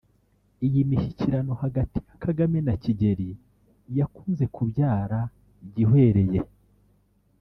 Iyi mishyikirano hagati ya Kagame na Kigeli yakunze kubyara igihwereye